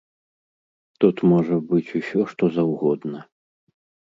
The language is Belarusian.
Тут можа быць усё, што заўгодна.